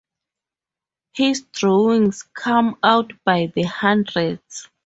His drawings come out by the hundreds.